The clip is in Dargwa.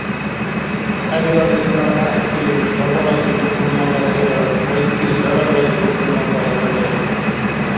ХӀебиалли илар гӀяхӀти, багалати духълумала гьера, вайти, зараллати духълумала гьера лер.